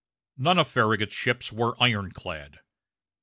None of Farragut's ships were ironclad.